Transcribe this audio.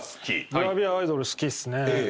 グラビアアイドル好きっすね。